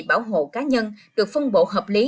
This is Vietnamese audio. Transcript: bảo hộ cá nhân được phân bộ hợp lý